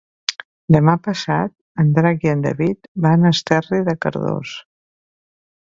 Demà passat en Drac i en David van a Esterri de Cardós.